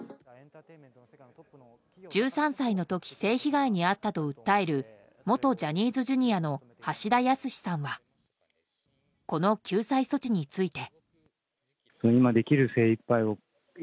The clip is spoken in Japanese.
１３歳の時性被害に遭ったと訴える元ジャニーズＪｒ．の橋田康さんはこの救済措置について。